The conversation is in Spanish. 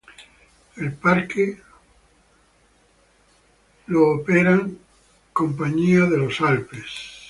El parque es operado por Compagnie des Alpes.